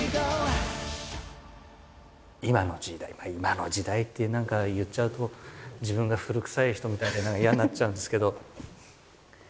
今の時代「今の時代」って言っちゃうと自分が古くさい人みたいで嫌になっちゃうんですけど。